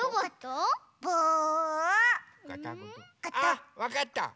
あっわかった！